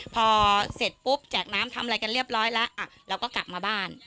พอเสร็จปุ๊บแจกน้ำทำอะไรกันเรียบร้อยแล้วเราก็กลับมาบ้าน